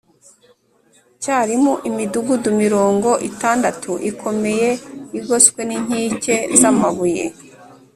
cyarimo imidugudu mirongo itandatu ikomeye igoswe n’inkike z’amabuye